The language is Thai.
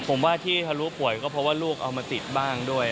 ผมว่าที่ทะลุป่วยก็เพราะว่าลูกเอามาติดบ้างด้วย